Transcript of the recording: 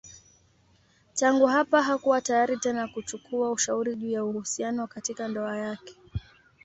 Tangu hapa hakuwa tayari tena kuchukua ushauri juu ya uhusiano katika ndoa yake.